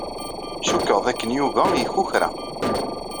Cikkeɣ dakken Yuba ikukra.